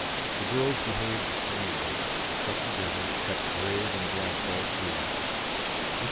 The girls behaved splendidly, stuck together, kept brave and bright all through. Mr.